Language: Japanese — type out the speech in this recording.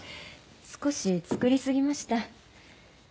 少し作りすぎました。